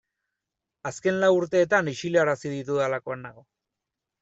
Azken lau urteetan isilarazi ditudalakoan nago.